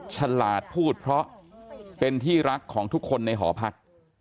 ฉลาดพูดเพราะเป็นที่รักของทุกคนในหอพัก